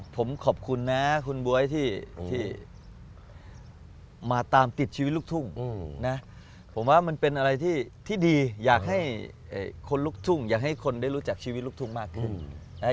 ผมขอบคุณนะคุณบ๊วยที่มาตามติดชีวิตลูกทุ่งนะผมว่ามันเป็นอะไรที่ดีอยากให้คนลุกทุ่งอยากให้คนได้รู้จักชีวิตลูกทุ่งมากขึ้น